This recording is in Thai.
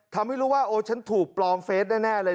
ทำให้รู้ว่าโอ้ฉันถูกปลอมเฟสแน่เลย